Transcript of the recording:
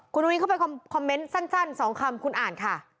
คุณอุ้งเข้าไปคอมเมนต์สั้น๒คำคุณอ่านค่ะ